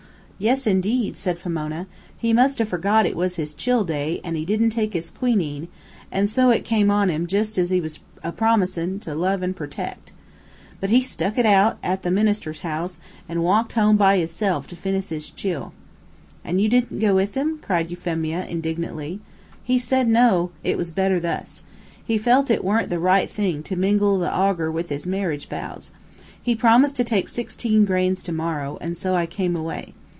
"Yes, indeed," said Pomona. "He must 'a' forgot it was his chill day, and he didn't take his quinine, and so it come on him jus' as he was apromisin' to love an' pertect. But he stuck it out, at the minister's house, and walked home by his self to finish his chill." "And you didn't go with him?" cried Euphemia, indignantly. "He said, no. It was better thus. He felt it weren't the right thing to mingle the agur with his marriage vows. He promised to take sixteen grains to morrow, and so I came away.